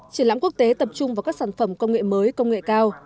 triển lãm quốc tế tập trung vào các sản phẩm công nghệ mới công nghệ cao